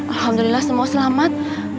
alhamdulillah semua selamat